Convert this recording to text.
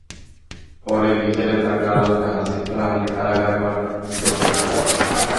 পরে বিকেলে তাঁকে আদালতে হাজির করা হলে কারাগারে পাঠানোর নির্দেশ দেন আদালত।